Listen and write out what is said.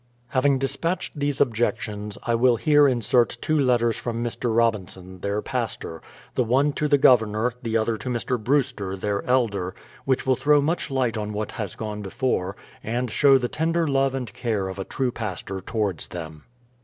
Having dispatched those objections, I will here insert two letters from Mr. Robinson, their pastor ; the one to the Governor, the other to Mr. Brewster, their elder, which will throw much light on what has gone before, and show the tender love and care of a true pastor towards them.